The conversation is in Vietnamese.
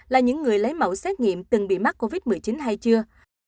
là những người lấy mẫu xét nghiệm từng bị mắc covid một mươi chín hay chưa